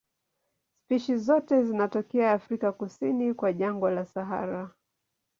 Spishi zote zinatokea Afrika kusini kwa jangwa la Sahara.